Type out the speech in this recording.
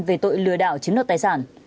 về tội lừa đảo chiếm đoạt tài sản